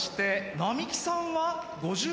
並木さん。